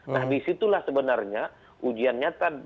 nah disitulah sebenarnya ujian nyata